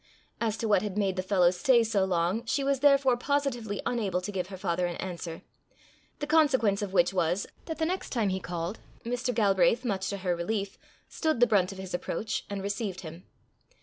As to what had made the fellow stay so long, she was therefore positively unable to give her father an answer; the consequence of which was, that, the next time he called, Mr. Galbraith, much to her relief, stood the brunt of his approach, and received him.